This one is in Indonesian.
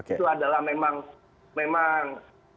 itu adalah memang memang